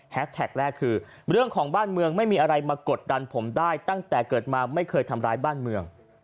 แท็กแรกคือเรื่องของบ้านเมืองไม่มีอะไรมากดดันผมได้ตั้งแต่เกิดมาไม่เคยทำร้ายบ้านเมือง